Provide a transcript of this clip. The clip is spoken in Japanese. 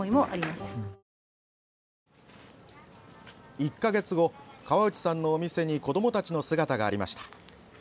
１か月後河内さんのお店に子どもたちの姿がありました。